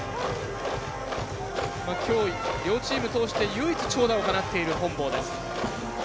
きょう、両チーム通して唯一、長打を放っている本坊です。